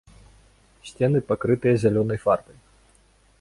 Сцены пакрытыя зялёнай фарбай.